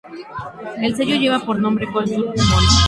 El sello lleva por nombre Cool Du Monde.